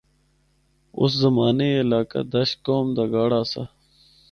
آس زمانے اے علاقہ دشت قوم دا گڑھ آسا۔